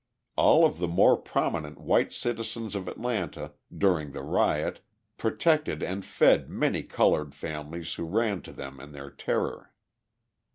All of the more prominent white citizens of Atlanta, during the riot, protected and fed many coloured families who ran to them in their terror.